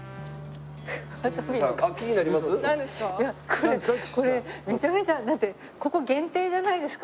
これこれめちゃめちゃだってここ限定じゃないですか？